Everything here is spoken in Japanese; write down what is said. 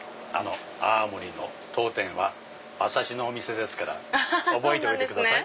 青森の当店は馬刺しのお店ですから覚えておいてください。